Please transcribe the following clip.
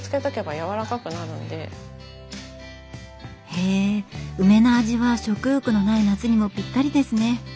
へえ梅の味は食欲のない夏にもピッタリですね。